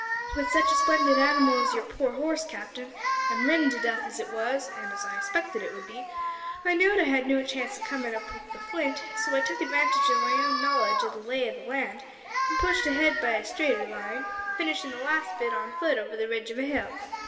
With such a splendid animal as your poor horse, Captain, an' ridden to death as it was an' as I 'spected it would be I knowed I had no chance o' comin' up wi' the Flint, so I took advantage o' my knowledge o' the lay o' the land, an' pushed ahead by a straighter line finishin' the last bit on futt over the ridge of a hill.